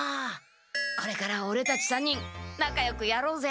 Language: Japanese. これからオレたち３人なかよくやろうぜ。